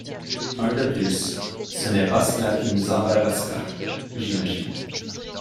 Un de plus... ce n’est pas cela qui nous embarrassera, j’imagine...